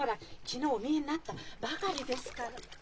昨日お見えになったばかりですから。